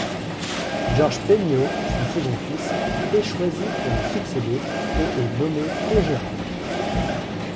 Georges Peignot, son second fils, est choisi pour lui succéder, et est nommé co-gérant.